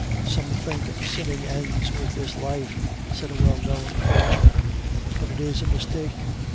"Some think sinning ends with this life," said a well known preacher, "but it is a mistake.